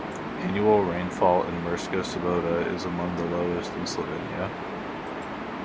Annual rainfall in Murska Sobota is among the lowest in Slovenia.